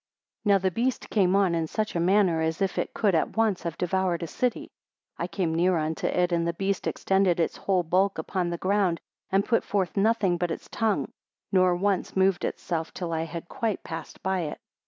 11 Now the beast came on in such a manner, as if it could at once have devoured a city. 12 I came near unto it, and the beast extended its whole bulk upon the ground, and put forth nothing but its tongue, nor once moved itself till I had quite passed by it.